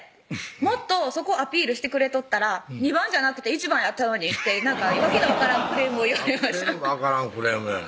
「もっとそこアピールしてくれとったら２番じゃなくて１番やったのに」って訳の分からんクレームを言われました訳の分からんクレームやね